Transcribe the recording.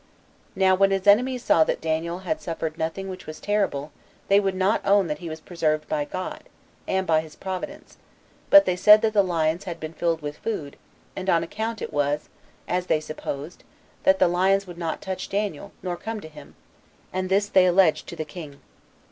Now when his enemies saw that Daniel had suffered nothing which was terrible, they would not own that he was preserved by God, and by his providence; but they said that the lions had been filled full with food, and on that account it was, as they supposed, that the lions would not touch Daniel, nor come to him; and this they alleged to the king.